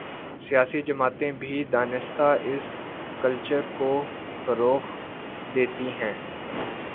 سیاسی جماعتیں بھی دانستہ اس کلچرکو فروغ دیتی ہیں۔